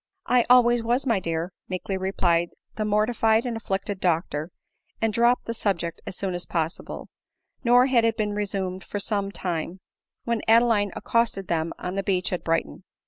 " I always was, my dear," meekly replied the morti fied and afflicted doctor, and dropped the subject as soon as possible ; nor had it been resumed for some time when Adeline accosted them on the beach at Brighton.